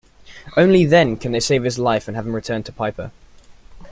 Only then can they save his life and have him returned to Piper.